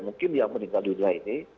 mungkin yang meninggal dunia ini